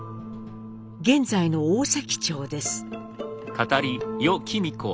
現在の大崎町です。